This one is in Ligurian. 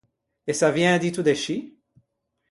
E s’aviæn dito de scì?